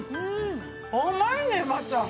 甘いねまた。